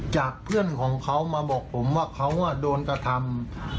เพื่อนของเขามาบอกผมว่าเขาโดนกระทำ